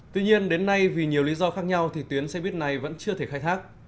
tuy nhiên đến nay vì nhiều lý do khác nhau thì tuyến xe buýt này vẫn chưa thể khai thác